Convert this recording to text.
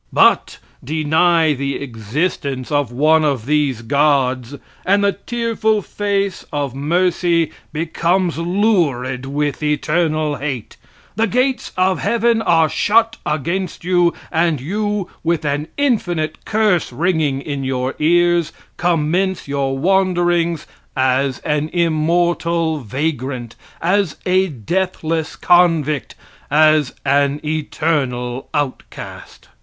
But deny the existence of one of these gods, and the tearful face of mercy becomes lurid with eternal hate; the gates of heaven are shut against you, and you, with an infinite curse ringing in your ears, commence your wanderings as an immortal vagrant, as a deathless convict, as an eternal outcast.